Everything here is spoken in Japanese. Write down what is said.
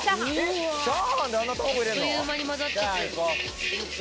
あっという間に混ざっていく。